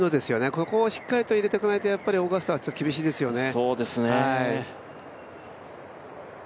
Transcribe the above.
ここをしっかりと入れていかないとオーガスタはちょっと厳しいですよね。